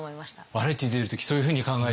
バラエティーに出る時そういうふうに考えて？